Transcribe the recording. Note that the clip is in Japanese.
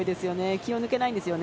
気を抜けないんですよね。